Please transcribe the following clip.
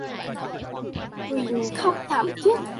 Quỳnh khóc thảm Thiết